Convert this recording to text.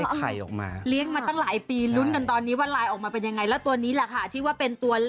ก็จะได้๑ตัวนะคะโอ้โฮ